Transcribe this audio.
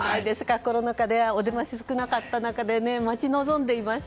コロナ禍でお出ましが少なかった中で待ち望んでいました。